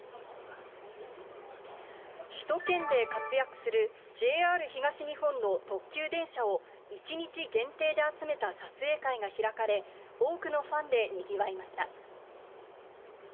首都圏で活躍するＪＲ東日本の特急電車を、一日限定で集めた撮影会が開かれ、多くのファンでにぎわいました。